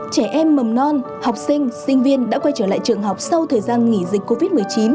trẻ em mầm non học sinh sinh viên đã quay trở lại trường học sau thời gian nghỉ dịch covid một mươi chín